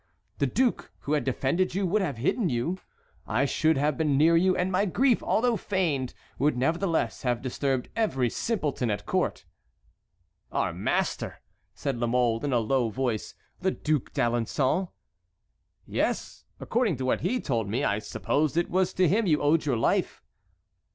The duke who had defended you would have hidden you. I should have been near you and my grief, although feigned, would nevertheless have disturbed every simpleton at court." "Our master!" said La Mole, in a low voice, "the Duc d'Alençon?" "Yes. According to what he told me, I supposed it was to him you owed your life."